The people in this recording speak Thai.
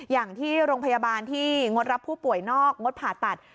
อย่างที่โรงพยาบาลที่งดรับผู้ป่วยนอกงดผ่าตัด